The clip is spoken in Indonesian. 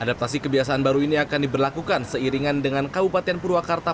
adaptasi kebiasaan baru ini akan diberlakukan seiringan dengan kabupaten purwakarta